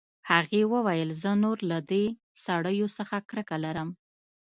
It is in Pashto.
هغې وویل زه نور له دې سړیو څخه کرکه لرم